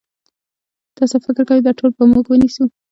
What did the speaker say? تاسو فکر کوئ چې دا ټول به موږ ونیسو؟